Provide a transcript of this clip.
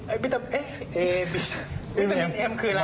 วิตามินเอ็มคืออะไร